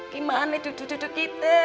gimana itu duduk duduk kita